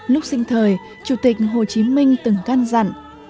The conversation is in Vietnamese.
lúc sinh thời chủ tịch hồ chí minh từng căn dặn